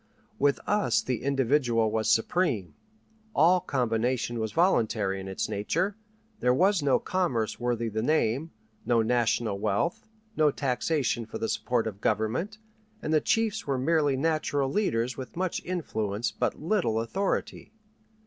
With us the individual was supreme; all combination was voluntary in its nature; there was no commerce worthy the name, no national wealth, no taxation for the support of government, and the chiefs were merely natural leaders with much influence but little authority.